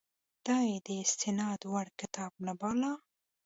دا یې د استناد وړ کتاب نه باله.